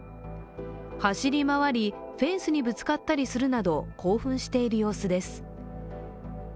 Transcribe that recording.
走り回り、フェンスにぶつかったりするなど興奮している様子です。